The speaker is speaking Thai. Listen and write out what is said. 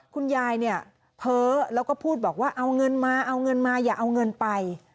คุณยายเนี่ยเพ้อแล้วก็พูดบอกว่าเอาเงินมาเอาเงินมาอย่าเอาเงินไป